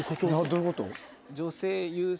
どういうこと？